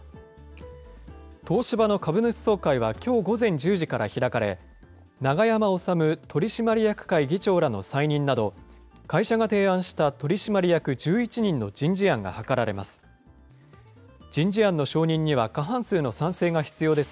東芝の株主総会は、きょう午前１０時から開かれ、永山治取締役会議長らの再任など、会社が提案した取締役１１人の人事案が諮られます。